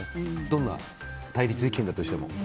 どんな対立意見だとしても。